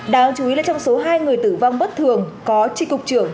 đáng chú ý là trong số hai người tử vong bất thường có tri cục trưởng